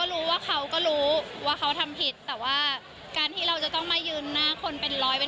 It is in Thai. เราก็มีแล้ววันที่เราแบบ